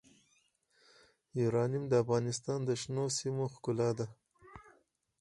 یورانیم د افغانستان د شنو سیمو ښکلا ده.